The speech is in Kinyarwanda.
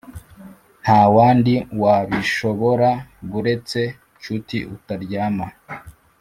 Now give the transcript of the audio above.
Ntawandi wabishobora buretse nshuti utaryama